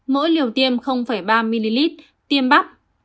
mỗi liều tiêm ba ml tiêm bắp